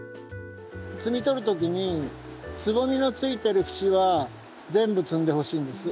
摘み取る時につぼみのついてる節は全部摘んでほしいんです。